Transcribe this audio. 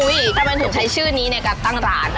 ทำไมถึงใช้ชื่อนี้ในการตั้งร้าน